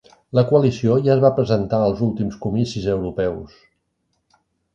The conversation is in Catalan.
La coalició ja es va presentar als últims comicis europeus